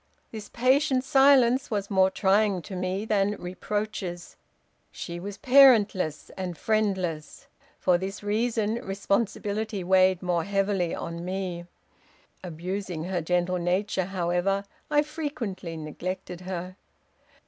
This patient silence was more trying to me than reproaches. She was parentless and friendless. For this reason responsibility weighed more heavily on me. Abusing her gentle nature, however, I frequently neglected her.